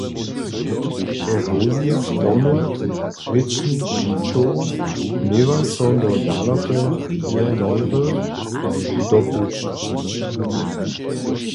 Erosija kromy rěčnišćow měła so do dalokeje měry dopušćić.